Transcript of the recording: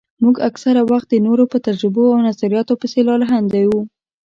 موږ اکثره وخت د نورو په تجربو او نظرياتو پسې لالهانده وو.